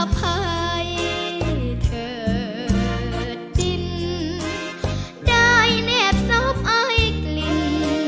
อภัยเธอดินได้แนบทรอบไอ้กลิ่น